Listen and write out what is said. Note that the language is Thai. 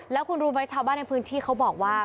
แล้วคุณรู้ไหมชาวบ้านในพื้นที่เขาบอกว่า